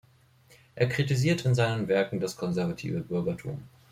Er kritisiert in seinen Werken das konservative Bürgertum.